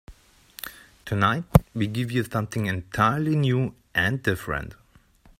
Tonight we give you something entirely new and different.